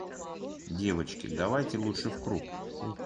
Девочки, давайте лучше в круг!..